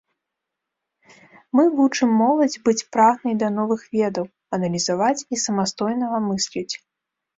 Мы вучым моладзь быць прагнай да новых ведаў, аналізаваць і самастойнага мысліць.